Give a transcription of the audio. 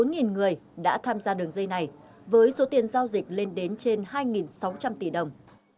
gần bốn người đã tham gia đường dây này với số tiền giao dịch lên đến trên hai sáu trăm linh tỷ đồng